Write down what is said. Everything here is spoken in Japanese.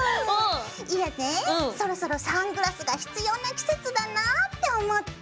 いやねえそろそろサングラスが必要な季節だなあって思って。